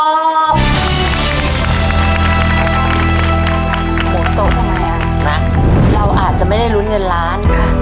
ฝนตกลงมาเราอาจจะไม่ได้ลุ้นเงินล้าน